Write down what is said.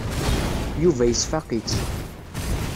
Yuba yesfaq-itt.